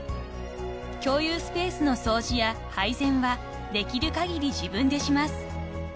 ［共有スペースの掃除や配膳はできる限り自分でします］